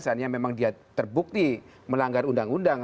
seandainya memang dia terbukti melanggar undang undang